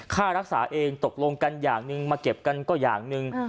ค่ารักษาเองตกลงกันอย่างหนึ่งมาเก็บกันก็อย่างหนึ่ง